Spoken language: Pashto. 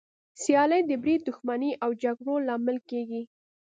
سیالي د بريد، دښمني او جګړو لامل کېږي.